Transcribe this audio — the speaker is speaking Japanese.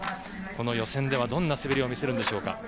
予選ではどんな滑りを見せるでしょうか。